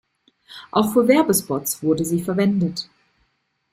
Auch für Werbespots wurde sie verwendet.